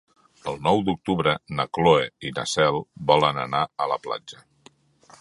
El nou d'octubre na Cloè i na Cel volen anar a la platja.